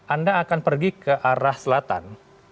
anda akan pergi ke arah selatan